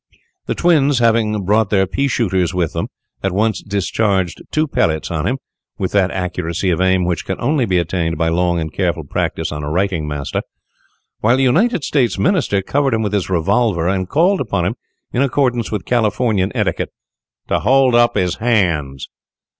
The twins, having brought their pea shooters with them, at once discharged two pellets on him, with that accuracy of aim which can only be attained by long and careful practice on a writing master, while the United States Minister covered him with his revolver, and called upon him, in accordance with Californian etiquette, to hold up his hands!